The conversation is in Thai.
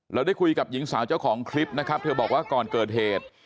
ได้คุยกับหญิงสาวเจ้าของคลิปนะครับเธอบอกว่าก่อนเกิดเหตุ